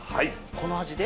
この味で？